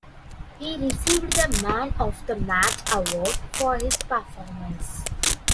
He received the man of the match award for his performance.